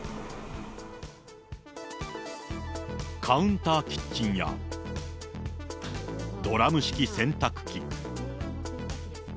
カウンターキッチンや、ドラム式洗濯機。